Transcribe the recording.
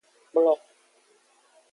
Kplo.